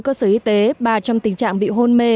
cơ sở y tế bà trong tình trạng bị hôn mê